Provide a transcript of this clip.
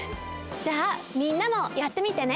じゃあみんなもやってみてね！